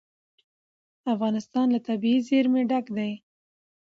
افغانستان له طبیعي زیرمې ډک دی.